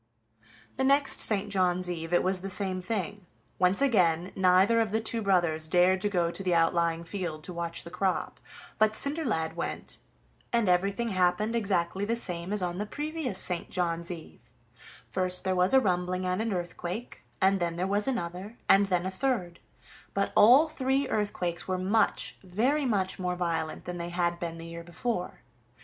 The next St. John's eve it was the same thing, once again: neither of the two brothers dared to go to the outlying field to watch the crop, but Cinderlad went, and everything happened exactly the same as on the previous St. John's eve: first there was a rumbling and an earthquake, and then there was another, and then a third: but all three earthquakes were much, very much more violent than they had been the year before.